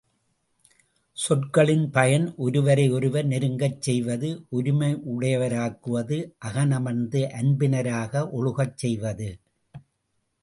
சொற்களின் பயன் ஒருவரை ஒருவர் நெருங்கச் செய்வது ஒருமையுடையராக்குவது அகனமர்ந்த அன்பினராக ஒழுகச் செய்வது.